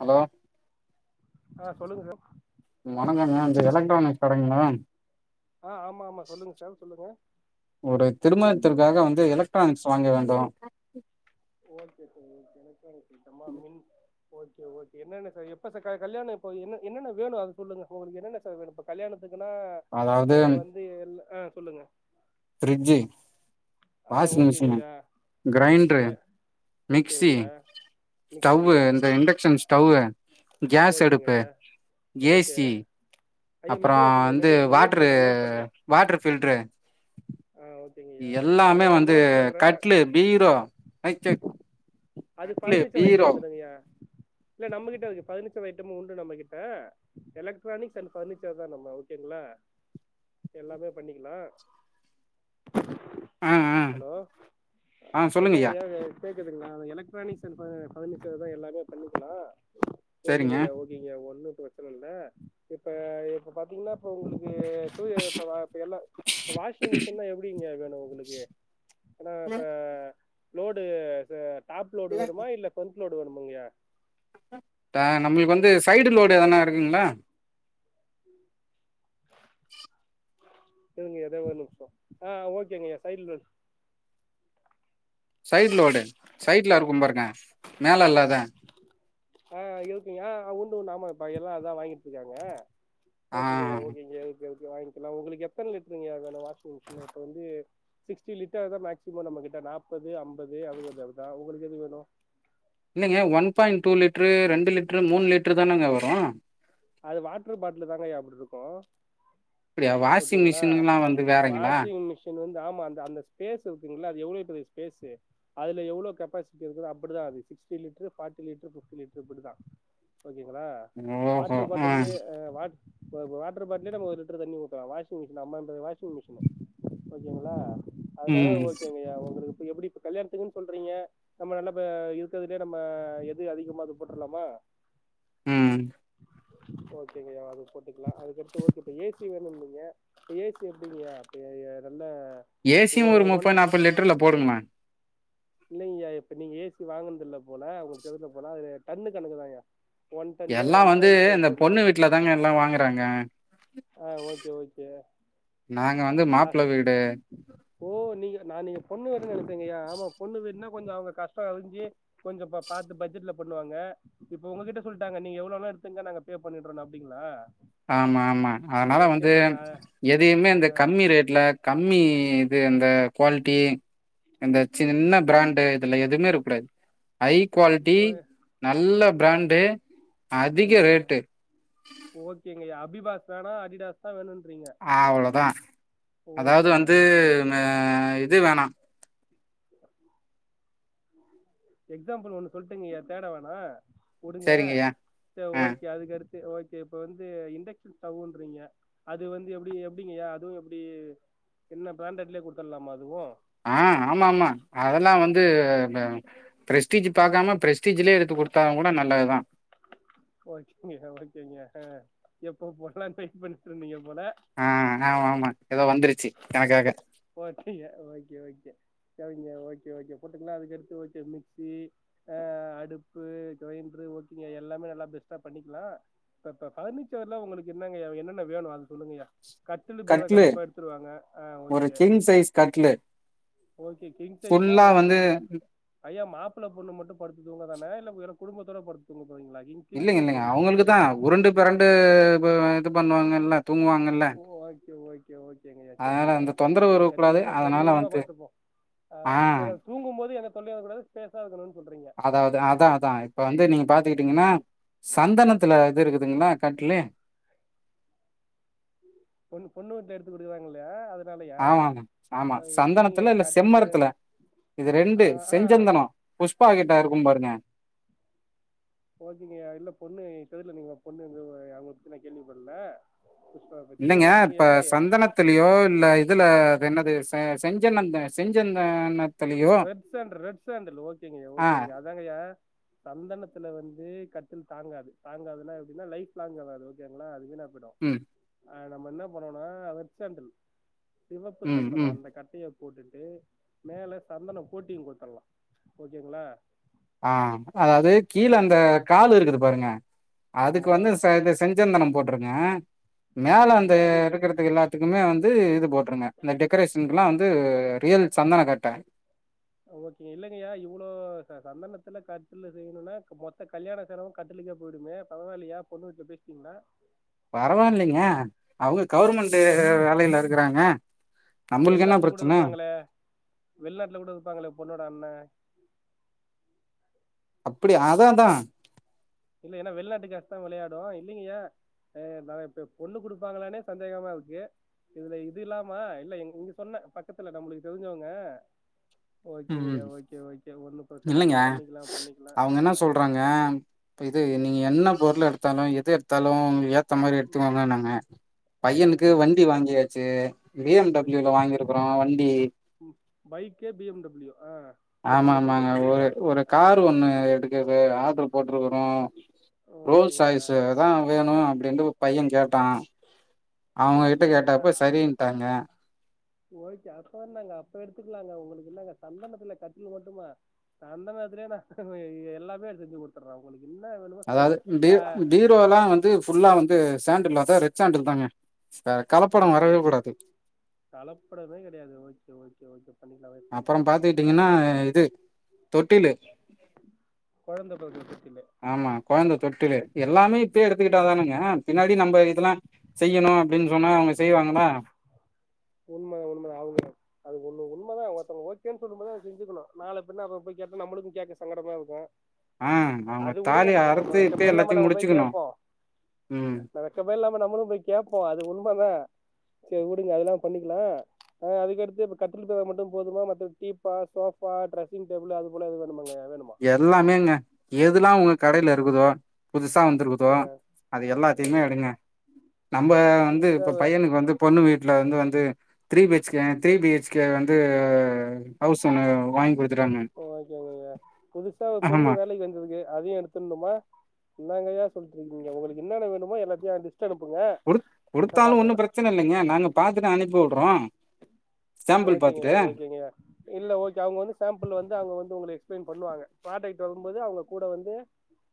Hello ஆஹ் சொல்லுங்க sir வணக்கம் மேம் இந்த எலக்ட்ரானிக்ஸ் படைங்க மே ஆ ஆமா ஆமா சொல்லுங்க சார் சொல்லுங்க ஒரு திருமணத்திற்காக வந்து எலக்ட்ரானிக்ஸ் வாங்க வேண்டும் அ ஓகே சார் ஓகே ந [inaudible] ம [inaudible] ஓகே ஓகே என்னென்ன சார் இப்ப சார் கல்யாணம் என்ன என்னன்ன வேணும் அத சொல்லுங்க உங்களுக்கு என்ன சார் வேணும் எப்ப கல்யாணம் அதாவது அதுக்குன்னான் வந்து எ [unintelligible] ஆஹ் சொல்லுங்க ஃபிரிட்ஜு ஆ வாஷிங் மிஷின் ஓகேங்கய்யா ஓகே கிரைண்டரு மிக்சி ஓகேங்கய்யா ஸ்டவ் மிக்ஸியா இந்த இண்டக்ஷன் ஸ்டவ் கேஸ் அடுப்பு ஓகேங்கய்யா ஓகே ஏசி ஐயா அப்புறம் மெதுவா சொல்லுங்க வந்து மெதுவா சொல்லுங்க நோட் வாட்டரு பண்றே நோட் பண்றே வாட்டரு ஃபில்டரு ஆ ஓகேங்கய்யா எல்லாமே அதான்யா வந்து நோட் பண்றே கட்லு பீரோ மைக்செட் அது பதினச்சு ரைட்டு வந்துடுங்கயா இல்ல நம்மகிட்ட இருக்கு பர்னிச்சர் ஐட்டமும் உண்டு நம்ம கிட்ட எலக்ட்ரானிக்ஸ் அண்ட் ஃபர்னிச்சர் தா நம்ம ஓகேங்களா எல்லாமே பண்ணிக்கலா ம் ம் ஹலோ ம் சொல்லுங்கயா என்னங்கய்யா கேக்குதுங்களா எலக் ட்ரானிக்ஸ் அண்ட் ப ஃபர்னிச்சர் தா எல்லாமே பண்ணிக்கலா சரிங்க ஓகேங்கயா ஓகேங்கயா ஒண்ணு டுவச்சன இல்ல இப்ப இப்ப பாத்தீங்ன்னா ப்போ உங்களுக் கு டூ ப்ப வ இப்ப எல்லா வாஷிங் மிஷின்னா எப்படிங்க வேணு உங்களுக்கு ஏனா ப்ப லோடு ச டாப்லோடு வடுமா இல்ல கொஞ் லோடு வேணுமங்கயா அ நம்மளுக்கு வந்து சைடு லோடு எதனா இருக்குங்களா [inaudible] இருங்க எத ஒரு நிம்ஷோ ஆஹ் ஓகேங்கயா சைடு லோடு சைட் லோடு சைட்ல இருக்கும் பாருக்க மேல இல்லாத ஆஹ் இருக்குங்க உண்டு உண்ணு ஆமாப்பா எல்லா அதா வாங்கிட்டிருக்காங்க ஆ ஓகேங்கயா ஓகேங்கயா ஓகே ஓகே வாங்கிக்கலா உங்களுக்கு எத்தன் லிட்டருங்கயா வேணு வாஷிங் மிஷின் இப்ப வந்து சிக்ஸிடி லிட்டர்தா மேக்சிமோ நம்ம கிட்ட நாப்பது அம்பது [inaudible] உங்களுக்கு எது வேணு இல்லைங்க ஒன் பாயிண்ட் டூ லிட்ரு ரெண்டு லிட்ரு மூண் லிட்ரு தானங்க வரு அது வாட்டர் பாட்லு தாங்கயா அப்படி இருக்கு அப்படியா வாஷிங் ஓகேங்களா மிஷின்ல்லா வந்து வேறங்களா? வாஷிங் மிஷின் வந் ஆமாந்த அந்த ஸ்பேஸ் இருக்குங்கல்ல அது எவ்ளோ பெரிய ஸ்பேஸு அதுல எவ்ளோ கெப்பாசிட்டி இருக்குதோ அப்படிதா அது sixty litre forty litre fifty litre இப்புடிதா ஓகேங்களா வா ஓஹோ! ஆ. பாட்டில்லே அ வ வட் அ வாட்ரு பாட்டில்யே நம்ம ஒரு லிட்ரு தண்ணி ஊத்தலா வாஷிங் மிஷினு அம்மாம்பெரிய வாஷிங் மிஷினு ஓகேங்களா அதுனால ம், ஓகேங்கயா ஒங்களு எப்டி இப்ப கல்யாணத்துக்குன்னு சொல்றீங்க நம்ம நல்ல இருக்கதுலயே நம்ம எது அதிகமா இது போட்றலாமா ம் ஓகேங்கா அது பொற் க்கலா அதுக்கடுத்து ஓகே இப்ப ஏ சி வேணுன் ய ஏசி எப்டிங்கையா [unintelligible] ஏசியும் ஒரு முப்பற் நாப்பத் லிட்டர்ல போடுங்கமா இல்லைங்கயா இப்ப நீங்க ஏ சி வாங்குனதுதில்ல போல உங்களுக்கு தெரில போல அது டன்னு கணக்குதாயா எல்லாம் வந்து அந்த பொண்ணு வீட்ல தாங்க எல்லாம் வாங்குறாங்க ஆஹ் ஓகே ஓகே நாங்க வந்து அ மாப்பிள வீடு. ஓ நீங்க நா நீங்க பொண்ணு [inaudible] நெனச்சங்க ஆமா பொண்ணு வீடுனா கொஞ்ச அவங்க கஷ்டம் அறிஞ்சு கொஞ்சம் பாத்து பட்ஜெட்ல பண்ணுவாங்க இப்ப உங்ககிட்ட சொல்லிட்டாங்க நீங்க எவ்வளோ வேணா எடுத்துங்க நாங்க பே பண்ணிறோன் அப்டிங்ளா ஆமா ஆமா அதனால வந்து எதயுமே அந்த கம்மி ரேட்ல கம்மி தே அந்த க்வால்டி இந்த சின்ன ப்ராண்டு இதுல எதுமே இருக்கூடாது ஐ க்வால்டி ஓ நல்லப் ப்ராண்டு அதிக ரேட்டு பிபாஸ் வேணான் அடிடாஸ் தான் வேணுண் ஆவ்ளோதான் அதாவது ஓகேங்கய்யா வந்து ஓகேங்க ம இது வேணாம் எக்ஸாம்புள் ஒண்ணு சொல்லட்டுங்கியா தேட வேணாம் குடுங்க சரிங்கய்யா. சே ஆ. ஓகே அதுகர் டு ஓகே இப்ப வந்து இண்டக்க்ஷன் ஸ்டவ்வுன்றீங்க அது வந்து எப்டி எப்டிங்கியா அதுவும் எப்டி என்ன ப்ராண்டட்லயே குடுத்தட்லாமா அதுவும் அஹ் ஆமாமா அதல்லா வந்து வ ப்ரெஸ்டீஜி பாக்காம ப்ரெஸ்டீஜிலே எடுத்து குடுத்தாவும் கூட நல்லதுதான் ஓகேங்யா ஓகேங்யா எப்போ போட்லான் வெயிட் பண்ட்ருந்தீங்க போல ஆஹ் ஆமா ஆமா ஓகிய ஓகே ஓகே [unintelligible] கே ஓகே போட்டுக்குலாம் அதுக்கடுத்து ஓகே மிக்சி ஆஹ் அடுப்பு கிரைண்ரு ஓகிங்க எல்லாமே நல்லா பெஸ்டா பண்ணிகிலான் ப ப பர்னிச்சர்லா ஒங்களுக்கு என்னங்கையாவ் என்னன்ன வேணும் அத சொல்லுங்கயா கட்டுலு பீரோ கட்லு. கண்டிப்பா எடுத் ஒரு கிங் சைஸ் கட்லு ஓகே கிங் சைஸ்னா ஃபுல்லா ஓகே வந்து மு ஐயா மாப்ள பொண்ணு மட்டும் படுத்து தூங்க தான இல்ல எர குடும்பத்தோட படுத்து துங் இல்லைங்க இல்லைங்க அவங்களுக்கு தா உருண்டு பெரண்டு து பண்வாங்கல்ல ஓ ஓகே ஓக் கேஓகேங்கையா அதனால செரிங்யா அந்த தொந்தரவு கென்னு வரக்கூடாது. கண்ணியமா அதனால கண்ணியமா வந்து பாத்துப்போம் ஆ [unintelligible] தூங்கும்போது எக சொல்லியாது கூடது பேசார்க்கணுன் அதாவது அதா அதா இப்ப வந்து நீங்க பாத்துக்கிட்டீங்கனா சந்தனத்துல இது இருக்குதுங்களா கட்லு பொண் பொண்ணு வீட்ல எடுத்து குடுக்குறாங்க இல்லயா அது ஆமா ஆமா சந்தனத்துல இல்ல கட்டிலு செம்மரத்துல இது ரெண்டு ஆ ஆ செஞ்சந்தனோ புஷ்பா கிட்ட இருக்கும் பாருங்க ஓகேங்கயா இல்ல பொண்ணு [unintelligible] பொண்ணு எந்த ஊ அவுங்க பத்தி நா கேள்வி பட்ல இல்லங்க இப்ப சந்தனத்துலயோ இல்ல இதுல அது என்னது ச செஞ்சன்னந்த செஞ்சந்தன ரெட் சாண்டர் ரெட் சாண்டல் ஓகேங்கயா ஆ, ஓகேங்கயா அதாங்கயா சந்தனத்துல வந்து கட்டில் தாங்காது தாங்காதுனா எப்டின்னா லைஃப் லாங்கு வராது ஓகேங்களா [inaudible] விடும் ம், ஆ நம்ம என்ன பண்ணோனா அ ரெட் சாண்டில் சிவப்பு ம், சந்தனோ ம். அந்த கட்டைய போட்டுட்டு மேல சந்தனம் கோட்டிங் குடுத்தர்லாம் ஓகேங்களா ஆ அதாவது கீழ அது அந்த கால் இருக்குது பாருங்க அதுக்கு ஆமா வந்து ச இந்த செஞ்சந் ந்தனம் போட்டருங்க மேல ஆஹ் அந்த பாடி இருக்கிறதுக்கு எல்லாத்துக்குமே வந்து இது போட்ருங்க இந்த டெக்கரேஷனுக்குனா வந்து ரியல் சந்தன கட்ட ஓகே இல்லங்கயா இவ்ளோ ச சந்தனத்துல கட்டிலு செய்யணுனா மொத்த கல்யாண செலவும் கட்டிலுக்கே போயிடுமே பரவால்லயா பொண்ணு வீட்ல பேசிட்டீங்களா பரவாயில்லைங்க அவங்க கவுர்மெண்ட்டு வேலையில இருக்கறாங்க [inaudible] வெளிநாட்டுல கூட இருப்பாங்களே வெள்நாட்டுல கூட இருப்பாங்களே பொண்ணோட அண்ணன் அப்டி அதாதான் இல்ல ஏனா வெளிநாட்டு காசு தா விளையாடும் இல்லிங்கயா நா இப்ப பொண்ணு குடுப்பாங்களானே சந்தேகமா இருக்கு இதுல இது இல்லாமா இல்ல இங்க சொன்ன பக்கத்துல நம்மளுக்கு தெரிஞ்சவங்க ம் ஓகேங்கயா ஓகே ஓகே ஒண்ணு பிரச்சன இல்ல இல்லைங்க பண்ணிக்கலா பண்ணிக்கலா அவங்க என்ன சொல்றாங்க இது நீங்க என்ன பொருள் எடுத்தாலு [unintelligible] த்தாலு உங்களுக்கு ஏத்த மாரி ம், எடுத்துக்கோங்க நாங்க பையனுக்கு அஹ், வண்டி வாங்கியாச்சு பிஎம்டபிள்யூல ஓகேங்கய்யா வாங்கியிருக்கிறோ வண்டி பைக்கே பிஎம்டபிள்யூ ஆ ஆமா எட்டு லட்சம் ஆமாங்க பத்து ஒரு லட்சம் ஒரு ஆ கார் ஒண்ணு எடுக்கது ஆர்டர் போட்டிருக்கறோம் ரோல்ஸ் ஓகேங்கய்யா ராய்ஸ் தான் வேணும் அப்டின்ட்டு பையன் கேட்டான் அவங்க கிட்ட ரோல்ஸ் ராயல்ஸா கேட்டப்ப சரின்னுட்டாங்க ஓகே அப்ப வ நாங்க அப்ப எடுத்துக்கலாங்க உங்களுக்கு என்னங்க சந்தனத்துல கட்டில மட்டுமா சந்தனத்துலயே நான் எல்லாமே செஞ்சு கொடுத்துறேன் உங்களுக்கு என்ன வேணுமோ சந்த அதாவது பி க பீரோல்லாம் வந்து ஃபுல்லா வந்து சாண்டிலா அத ரெச்சாண்டல்ந்தாங்க ஓகே ஓகே தலப்படமே கிடையாது ஓகே ஓகே ஓகே பண்ணிக்கலாம் அப்புறம் வெஸ்டாண்ட்லயே போட்டுக்கலாம் பாத்துக்கிட்டீங்கன்னா இது தொட்டிலு குழந்தை பிறந்த பத்தியில ஆமா குழந்த தொட்டிலு எல்லாமே இப்பயே எடுத்துக்கிட்டாதானங்க ஆஹ் பின்னாடி நம்ம இதெல்லா செய்யணு அப்டின்னு சொன்னா அவுங்க செய்வாங்ளா உண்மதா ஒருத்தர் ஓகேன்னு சொல்லும்போது அத செஞ்சக்கணு நால பின்ன அவுங்க போய் கேட்டு நம்மளுக்கு கேக்க சங்கடமா இருக்கு ஆஹ் அவுங்க தாலி அறுத்து கித்து வெக்கமே இல்லாம எல்லாத்தையு நம்ம போய் முடிச்சிக்கணு கேட்போம் உம் வெக்கமே இல்லாம நம்மளும் போய் கேட்போ அது உண்மதா சரி வுடுங்க அதெல்லா பண்ணிக்கலா ஹ் அதுக்கடுத்து இப்ப கத்தில் பிரோ மட்டும் போதுமா மத்த டீபா சோஃபா டிரெஸ்ஸிங் டேபிள் அது போலது எது வேணுமாங்க வேணுமா எல்லாமேங்க எதுல்லா உங்க கடைல இருக்குதோ புதுசா வந்திருக்குதோ அது எல்லாத்தையுமே ம் எடுங்க நம்ம வந்து புதுசா இப்ப பையனுக்கு வந்து பொண்ணு வீட் வந்து வந்து three B H K three B H K வந்து ஹவுஸ் ஒனர் வாங்கி குடு த்றாங்க ஓகேங்கய்யா புதுசா ஒரு பொண்ணு வேலைக்கு வந்திருக்கு அதையு எடுத்துணுமா என்ங்கயா சொல்ட்றீக்கீங்க உங்களுக்கு என்னென்ன வேணுமோ எல்லாத்தையு அ கு குடுத்தாலு ஒன்னும் பிரச்சனை இல்லைங்க நாங்க பாத்துட்டு அனுப்பி விடுறோ சாம்பிள் ஓகேங்க பாத்துட்டு ஓகேங்க இல்ல ஓகே அவுங்க வந்து சாம்பிள் வந்து அவுங்க வந்து உங்கள எக்ஸ்பிளைன் பண்ணுவாங்க ப்ராடக்ட் வரும்போது அவுங்க கூட வந்து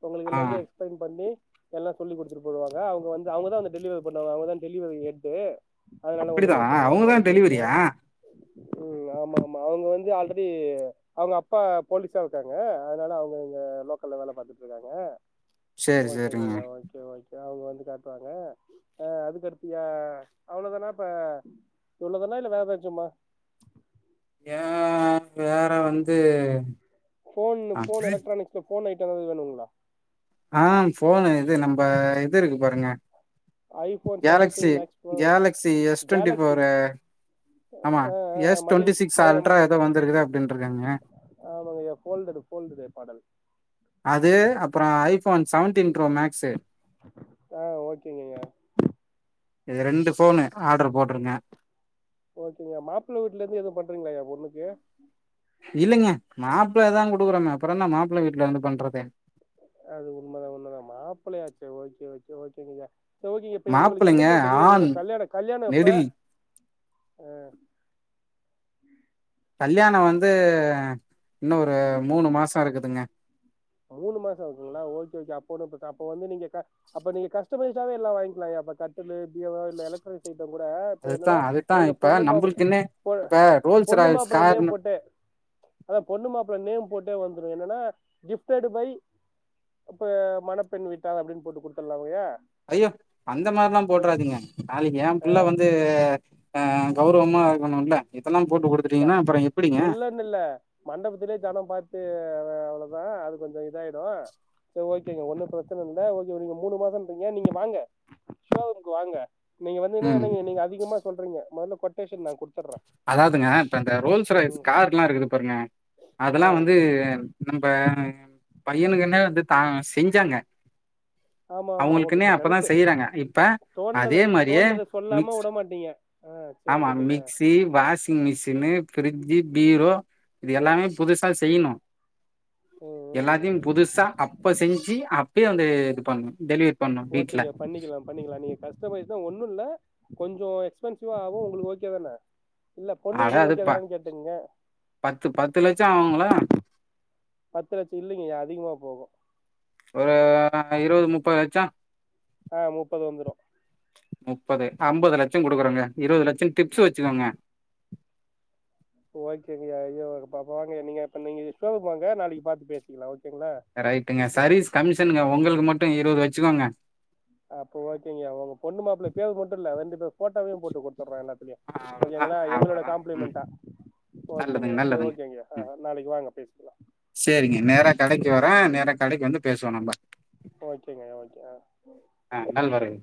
உங்களுக்கு ஆ எல்லாத்தையு எக்ஸ்பிளைன் பண்ணி எல்லா சொல்லிக் குடுத்துட்டு போய்டுவாங்க அவுங்க வந்து அவுங்கதா வந்து டெலிவரி பண்ணுவாங்க அவுங்கதா டெலிவரி ஹெட்டு அதனால ஒன்னு அப்படிதா பிரச்சன இல்ல அவங்கள அவுங்கதா அனுப்பி வைப்போ டெலிவரியா ம் ஆமாமா அவுங்க வந்து ஆல்ரெடி அவுங்க அப்பா போலிஸா இருக்காங்க அதனால அவுங்க இங்க லோக்கல்ல வேல பாத்துட்டு இருக்காங்க சேரி ஓகேங்க சேரிங்க ஐயா ஓகே ஓகே அவுங்க வந்து வந்து காட்டுவாங்க அ அதுக்கடுத்யா அவ்ளோதானா இப்ப இவ்ளோதானா இல்ல வேதேச்சோமா ஏ வேற வந்து ஆ போன் ஐட்டோ எதாது வேணுங்ளா ஆ போனு இது நம்ப இது இருக்கு பாருங்க iPhone seventeen Galaxy Max Pro Galaxy S twenty Galaxy four ஆமா அ அ எஸ் மடி டுவெண்ட்டி சிக்ஸ் ம அல்ட்ரா ஏதோ வந்திருக்குது அப்டின்ருக்காங்க ஆமாங்க ஐயா போல்டட் போல்டடு மாடல் அது அப்றோ ஐபோன் செவன் ஆ ஓகேங்கய்யா இது ரெண்டு போனு ஆர்டர் போட்ருங்க ஓகேங்கய்யா மாப்ள வீட்ல இருந்து எதும் பண்றீங்களாய்யா பொண்ணுக்கு இல்லைங்க மாப்பிள்ளதா குடுக்குறோ அப்றோ என்ன மாப்பிள்ள வீட்ல இருந்து பண்றது அது உண்மதா உண்மதா மாப்ளயாச்சே ஓக்கே ஒக்கே ஓகேங்கய்யா சர் ஓகேங்கய்யா இப்ப உங்களுக்கு மாப்ளைங்க என்னைக்கய்யா டெலிவரி வேணு ஆண் கல்யாண கல்யாணோ எப்ப நெடில் அ கல்யாணோ வந்து இன்னு ஒரு மூணு மாசோ இருக்குதுங்க மூணு மாசோ இருக்குங்களா ஓக்கே ஓக்கே அப்ப ஒன்னு ப்ர அப்ப வந்து நீங்க அப்ப நீங்க கஸ்டமைஸ் ஆவே எல்லா வாங்கிக்லாய்யா அந்த கட்டுலு பீரோ இல்ல எலக்ட்ரானிக்ஸ் ஐட்டம் கூட இப்ப அதுதா என்னனா அதுதா ஒங்க இப்ப பொண்ணு மா நம்பளுக்குன்னு பொ இப்ப ரோல்ஸ் பொண்ணு ராய்ஸ் மாப்ள நேம் கார்னு போட்டு அதா பொண்ணு மாப்ள நேம் போட்டு வந்துடு என்னன்னா கிஃப்ட் தேடு பை இப்ப மணப்பெண் வீட்டார் அப்டின் போட்டு குடுத்துட்லாங்கா ஐயோ அந்த மாரில்லா போட்றாதீங்க நாளைக்கு ஏ புள்ள வந்து ஆ கௌரவமா போனுல்ல இதெல்லா போட்டு க குடுத்துட்டீங்கனா அப்றோ எப்டிங்க து அவ்ளதா அது கொஞ்சோ இதாயிடு சரி ஓகேங்க ஒன்னு பிரச்சன இல்ல ஓக்கே நீங்க மூணு மாசோன்றீங்க நீங்க வாங்க ஷோ ரூம்க்கு வாங்க நீங்க வந்தீனா என்ன ம் என்னங்க நீங்க அதிகமா சொல்றீங்க மொதல்ல கொட்டேஷன் நா கு அதாதுங்க இப்ப இந்த ரோல்ஸ் ராயல்ஸ் ம் கார் எல்லா இருக்குது பாருங்க ஆ அதெல்லா வந்து நம்ப பையனுக்குன வந்து தா செஞ்சாங்க ஆமா ஆமா அவங்களுக்குன்னே ஓக்கேப்ப அப்பதா நேனைச்சு செய்யறாங்க இப்ப தோன்னது அதே மாரியே தோன்னத சொல்லாம மிக்ஸ் உடமாட்டீங்க ஆ சரி ஆமா சொல்லுங்க mixie washing machine fridge bureau இது எல்லாமே புதுசா செய்யணு ம் ம் எல்லாத்தையு‌ புதுசா அப்ப செஞ்சு அப் அப்பயே வந்து இது பண்ணு டெலிவரி பண்ணு வீட்ல ஓக்கேங்க பண்ணிக்கலா பண்ணிக்கலா நீங்க கஷ்டமைஸ் தா ஒண்ணு இல்ல கொஞ்சோ எக்ஸ்பென்சிவா ஆகு உங்களுக்கு ஓக்கே தான இல்ல பொண்ணு அட வீட்டுக்கு அது ப ஓக்கேதானனு கேட்டுக்ங்க பத்து பத்து லட்சோ ஆவுங்களா பத்து லட்சோ இல்லிங்கய்யா அதிகமா போகு ஒருரூ இருவது முப்பது லட்சோ ஆ முப்பது வந்துரு முப்பது ஐம்பது லட்ச்சோ குடுக்குறோங்க இருபது லட்சோ டிப்ஸ் வச்சுக்கோங்க ஓக்கேங்கயா அய்யா பா வாங்கய்யா இப்ப நீ ஷோரூம் வாங்க நீங்க நாளைக்கு பாத்து பேசிக்கலா ஓகேங்களா ரைட்டுங்க சர்ரவீஸ் கமிஷ் சன்னுங்க உங்களுக்கு மட்டு இருவது வச்சுக்கோங்க அப்போ ஓக்கேங்கய்யா உங்க பொண்ணு மாப்ள பேர் மற்றுல்ல ரெண்டு பே போஃட்டோவையு போட்டு கொடுத்துடற எல்லாத்துலயு அவ்ளோதா ஓக்கேங்களா எங்களோட அவ்ளோதா ம் காம்ப்ளிமெண்ட்டா நல்லதுங்க ஓக்கேங்கயையா செரி நல்லதுங்க ஓக்கேங்க அ ம் ஆ நாளைக்கு வாங்க பேசிக்கலா சேரிங்க நேரா ம் கடைக்கு வரே நேரா கடைக்கு வந்து பேசுவோ நம்ப ஓக்கேங்க அய்யா ஓக்கே ஆ ஆ நல்வரவு